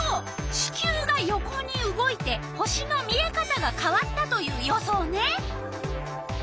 地球が横に動いて星の見えかたがかわったという予想ね。